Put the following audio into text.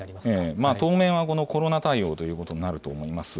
当面はコロナ対応ということになると思います。